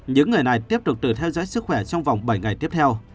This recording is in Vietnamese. những người này tiếp tục tự theo dõi sức khỏe trong vòng bảy ngày tiếp theo